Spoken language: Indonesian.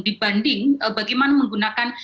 dibanding bagaimana menggunakan